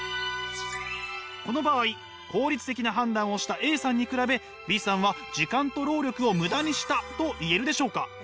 この場合効率的な判断をしたＡさんに比べＢさんは時間と労力をムダにしたと言えるでしょうか？